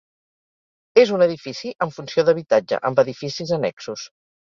És un edifici amb funció d'habitatge, amb edificis annexos.